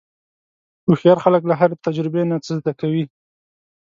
هوښیار خلک له هرې تجربې نه څه زده کوي.